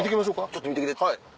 ちょっと見てきて。